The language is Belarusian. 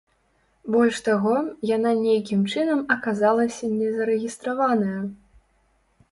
Больш таго, яна нейкім чынам аказалася незарэгістраваная!